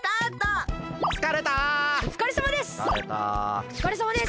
おつかれさまです！